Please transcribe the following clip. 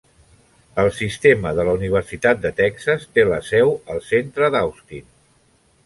El sistema de la Universitat de Texas té la seu al centre d'Austin.